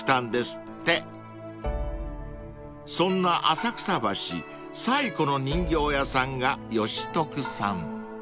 ［そんな浅草橋最古の人形屋さんが吉さん］